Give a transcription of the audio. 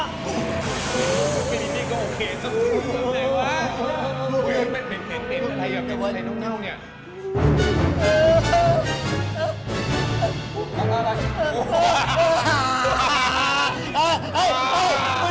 มีปีกนี่ก็โอเคซักที